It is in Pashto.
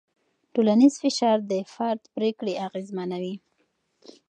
ټولنیز فشار د فرد پرېکړې اغېزمنوي.